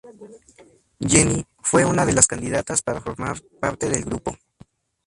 Jennie fue una de las candidatas para formar parte del grupo.